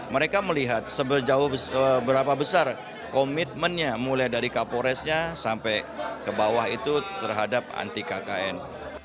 mereka melihat seberapa jauh berapa besar komitmennya mulai dari kapolresnya sampai ke bawah itu terhadap anti kkn